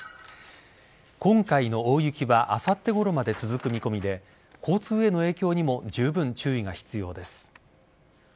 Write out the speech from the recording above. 今回の大雪はあさってごろまで続く見込みで交通への影響にもじゅうぶん注意が必要です。